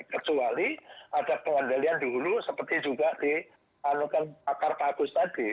kecuali ada pengendalian di hulu seperti juga di anukan pakar pak agus tadi